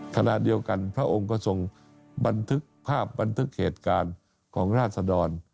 ขณะเดียวกันพระองค์ก็ทรงบันทึกภาพบันทึกเหตุการณ์ของราศดร